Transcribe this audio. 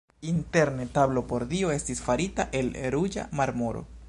Interne tablo por Dio estis farita el ruĝa marmoro.